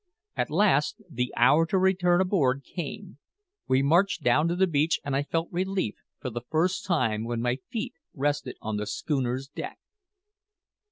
At last the hour to return aboard came. We marched down to the beach, and I felt relief for the first time when my feet rested on the schooner's deck.